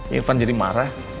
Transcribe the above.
irfan jadi marah